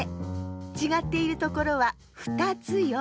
ちがっているところは２つよ。